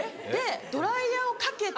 ドライヤーをかけて。